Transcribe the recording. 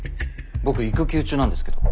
僕育休中なんですけど。